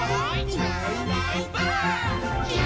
「いないいないばあっ！」